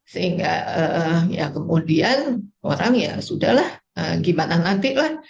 sehingga ya kemudian orang ya sudah lah gimana nanti lah